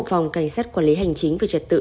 phòng cảnh sát quản lý hành chính về trật tự